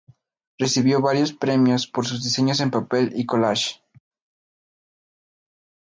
Recibió varios premios por sus diseños en papel y collages.